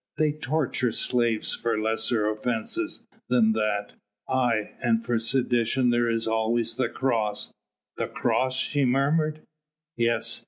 "They torture slaves for lesser offences than that." "Aye! and for sedition there is always the cross." "The cross!" she murmured. "Yes!